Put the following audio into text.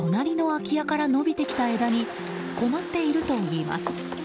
隣の空き家から伸びてきた枝に困っているといいます。